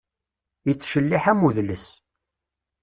Ittcelliḥ am udles.